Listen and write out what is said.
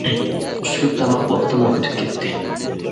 چۈشلۈك تاماق ۋاقتىمۇ ئۆتۈپ كەتتى.